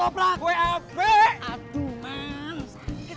toprak toprak toprak wp aduman sakit